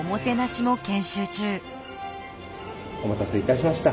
お待たせいたしました。